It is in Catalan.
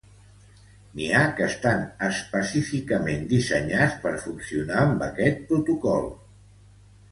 N'hi ha que estan específicament dissenyats per funcionar amb este protocol.